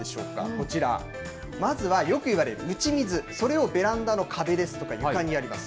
こちら、まずはよく言われる打ち水、それをベランダの壁ですとか、床にやります。